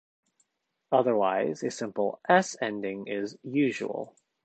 Otherwise, a simple "-s" ending is usual.